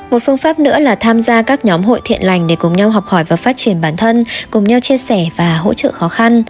một phương pháp nữa là tham gia các nhóm hội thiện lành để cùng nhau học hỏi và phát triển bản thân cùng nhau chia sẻ và hỗ trợ khó khăn